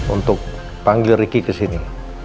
untuk panggil ricky ke sini